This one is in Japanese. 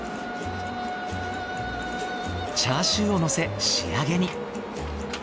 チャーシューをのせ仕上げに。